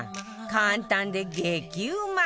簡単で激うま！